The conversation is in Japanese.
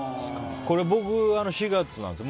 僕、４月なんですよ。